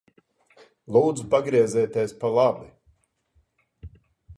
Lūdzu pagriezieties pa labi.